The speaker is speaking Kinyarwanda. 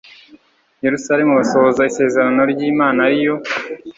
yerusalemu basohoza isezerano ry imana ari yo